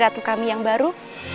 ratu kami yang baru